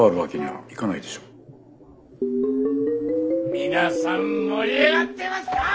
皆さん盛り上がってますか！